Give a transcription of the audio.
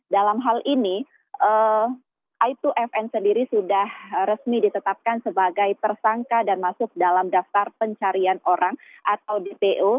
dalam hal ini aib dua fn sendiri sudah resmi ditetapkan sebagai tersangka dan masuk dalam daftar pencarian orang atau dpo